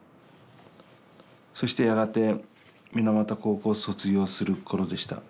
そしてやがて水俣高校を卒業する頃でした。